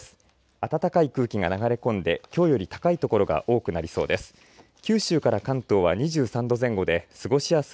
暖かい空気が流れ込んできょうより高い所が多くなりそうです。